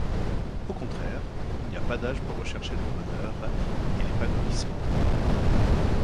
Au contraire, il n'y a pas d'âge pour rechercher le bonheur et l’épanouissement.